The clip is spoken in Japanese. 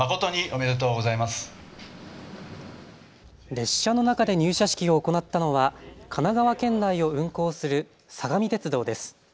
列車の中で入社式を行ったのは神奈川県内を運行する相模鉄道です。